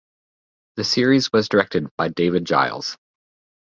The series was directed by David Giles.